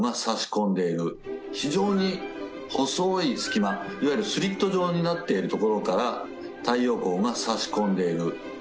非常に細い隙間いわゆるスリット状になっているところから太陽光が差し込んでいる。